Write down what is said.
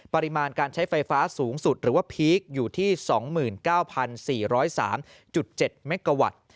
ปริมาณการใช้ไฟฟ้าสูงสุดหรือว่าพีคอยู่ที่๒๙๔๐๓๗เมกาวัตต์